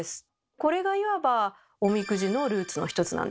これがいわばおみくじのルーツの一つなんです。